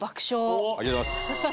ありがとうございます。